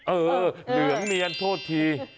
เออเหลืองเนียนโทษที